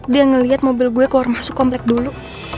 dia ngeliat mobil gue keluar masuk komplek dulu